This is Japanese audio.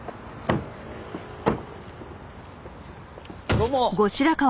どうも。